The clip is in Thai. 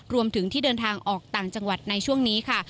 รวมถึงที่เดินทางออกต่างจังหวัดในช่วงนี้ค่ะ